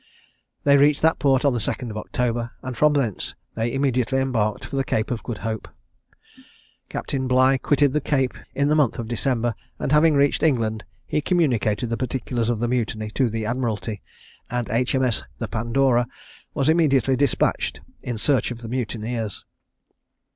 They reached that port on the 2nd of October, and from thence they immediately embarked for the Cape of Good Hope. Captain Bligh quitted the Cape in the month of December, and having reached England, he communicated the particulars of the mutiny to the Admiralty, and H. M. S. the Pandora was immediately despatched in search of the mutineers.